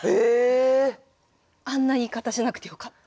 あんな言い方しなくてよかった。